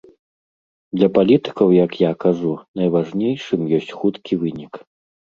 Для палітыкаў, як я кажу, найважнейшым ёсць хуткі вынік.